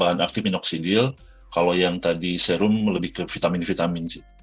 bahan aktif inoksidil kalau yang tadi serum lebih ke vitamin vitamin sih